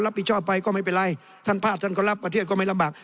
รับผิดชอบไปก็ไม่เป็นไรท่านพลาดท่านก็รับประเทศก็ไม่ลำบาก